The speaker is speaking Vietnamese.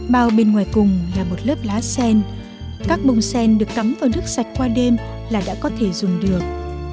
bao bên ngoài cùng là một lớp lá sen các bông sen được cắm vào nước sạch qua đêm là đã có thể dùng được